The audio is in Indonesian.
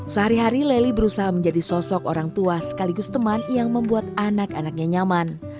sehari hari lely berusaha menjadi sosok orang tua sekaligus teman yang membuat anak anaknya nyaman